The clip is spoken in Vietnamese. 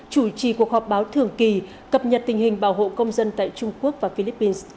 chủ trì cuộc họp báo thường kỳ cập nhật tình hình bảo hộ công dân tại trung quốc và philippines